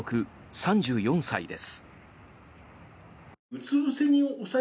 ３４歳です。